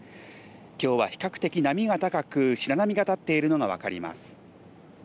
今日は比較的波が高く白波が立っているのがわかります。